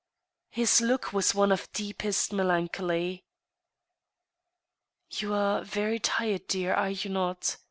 His look was one of deepest melancholy. " You are very tired, dear, are you not ?